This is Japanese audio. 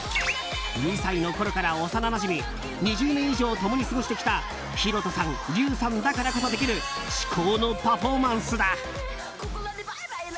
２歳のころから幼なじみ２０年以上共に過ごしてきたひろとさん、ＲＹＵさんだからこそできる至高のパフォーマンスだ。